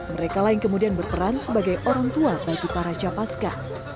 mereka lah yang kemudian berperan sebagai orang tua bagi para capaska